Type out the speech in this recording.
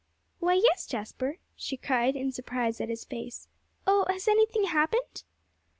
"Why, yes, Jasper," she cried, in surprise at his face. "Oh, has anything happened?"